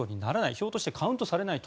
票としてカウントされないと。